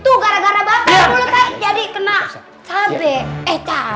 tuh gara gara bangkang mulut saya jadi kena cabe eh cabe